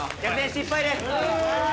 失敗ですね。